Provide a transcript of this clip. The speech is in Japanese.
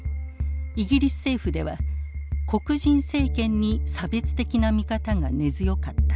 イギリス政府では黒人政権に差別的な見方が根強かった。